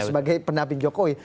sebagai pendamping jokowi